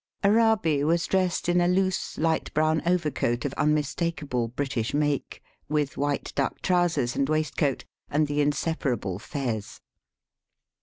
Arabi was dressed in a loose light brown overcoat of unmistakable British make, with white duck trousers and waistcoat, and the inseparable fez.